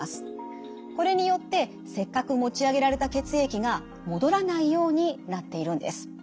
これによってせっかく持ち上げられた血液が戻らないようになっているんです。